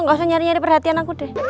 gak usah nyari nyari perhatian aku deh